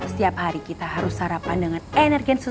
setiap hari kita harus sarapan dengan energen sesuatu